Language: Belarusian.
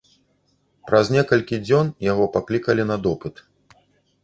Праз некалькі дзён яго паклікалі на допыт.